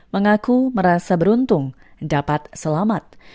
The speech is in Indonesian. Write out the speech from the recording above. mengaku merasa beruntung dapat selamat